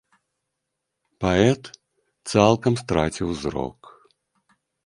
Паэт цалкам страціў зрок.